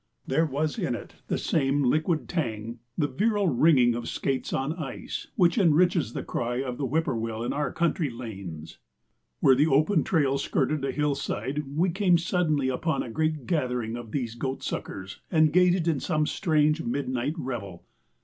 There was in it the same liquid tang, the virile ringing of skates on ice, which enriches the cry of the whip poor will in our country lanes. Where the open trail skirted a hillside we came suddenly upon a great gathering of these goat suckers, engaged in some strange midnight revel.